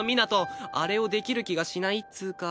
あれをできる気がしないっつうか。